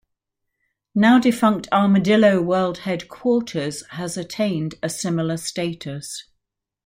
Now-defunct Armadillo World Headquarters has attained a similar status.